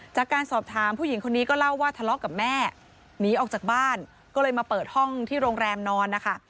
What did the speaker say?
จากการสอบถามผู้หญิงคนนี้ก็เล่าว่าทะเลาะกับแม่หนีออกจากบ้านก็เลยมาเปิดห้องที่โรงแรมนอนนะคะ